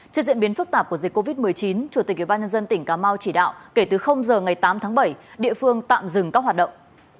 trên diện biến phức tạp của dịch covid một mươi chín chủ tịch ubnd tỉnh cà mau chỉ đạo kể từ giờ ngày tám tháng bảy địa phương tạm dừng các hoạt động